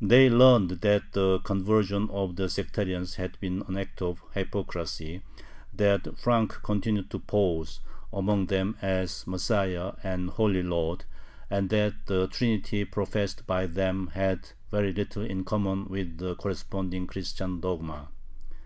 They learned that the conversion of the sectarians had been an act of hypocrisy, that Frank continued to pose among them as Messiah and "Holy Lord," and that the Trinity professed by them had very little in common with the corresponding Christian dogma.